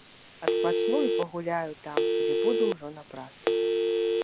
Адпачну і пагуляю там, дзе буду ўжо на працы.